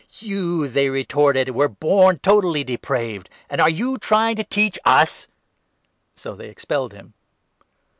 " You," they retorted, " were born totally depraved ; and are 34 you trying to teach us ?" So they expelled him.